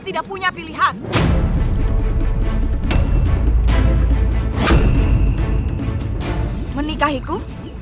kalau preremput itu